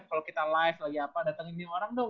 kalau kita live lagi apa datengin orang dong